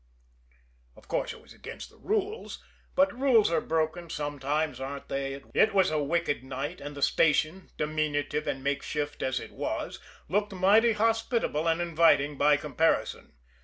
Of course, it was against the rules but rules are broken sometimes, aren't they? It was a wicked night, and the station, diminutive and makeshift as it was, looked mighty hospitable and inviting by comparison.